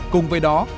cùng với đó